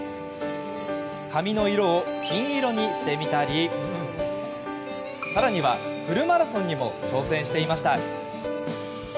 髪の色を金色にしてみたり更にはフルマラソンにも挑戦していました。